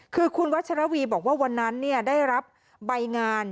คือคุณวัชรวีบอกว่าวันนั้นได้รับใบงาน